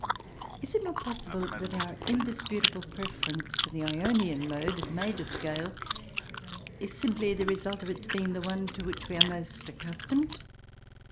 Is it not possible that our indisputable preference for the Ionian mode (the major scale) is simply the result of its being the one to which we are most accustomed?